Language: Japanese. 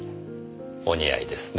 お似合いですねぇ。